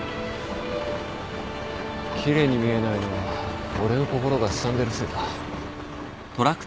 奇麗に見えないのは俺の心がすさんでるせいか？